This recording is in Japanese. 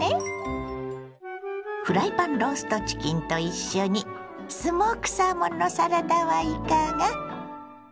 フライパンローストチキンと一緒にスモークサーモンのサラダはいかが。